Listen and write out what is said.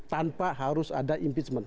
tanpa harus ada impeachment